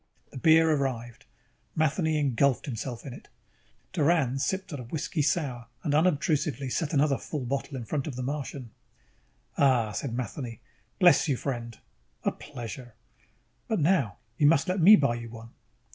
_ The beer arrived. Matheny engulfed himself in it. Doran sipped at a whiskey sour and unobtrusively set another full bottle in front of the Martian. "Ahhh!" said Matheny. "Bless you, my friend." "A pleasure." "But now you must let me buy you one."